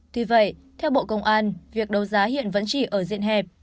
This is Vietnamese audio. thì vậy theo bộ công an việc đấu giá hiện vẫn chỉ ở diện hẹp